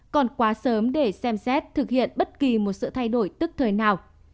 còn quá sớm để xem xét thực hiện bất kỳ một sự thay đổi tức thời nào